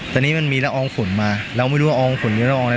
ตอนนี้มันมีละอองฝนมาแล้วไม่รู้ว่าละอองฝนหรือละอองอะไร